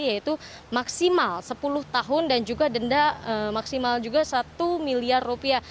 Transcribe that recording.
yaitu maksimal sepuluh tahun dan juga denda maksimal juga satu miliar rupiah